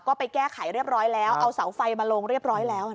ก็ไปแก้ไขเรียบร้อยแล้วเอาเสาไฟมาลงเรียบร้อยแล้ว